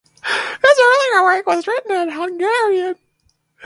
His earlier work was written in Hungarian.